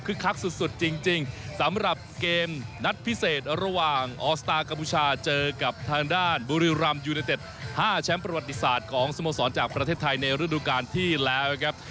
คือคักสุดจริงสำหรับเกมนัดพิเศษระหว่างออสตาร์กัมพูชาเจอกับทางด้านบุรีรำยูเนเต็ด๕แชมป์ประวัติศาสตร์ของสโมสรจากประเทศไทยในฤดูการที่แล้วครับ